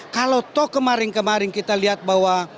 kalau toh kemarin kemarin kita lihat bahwa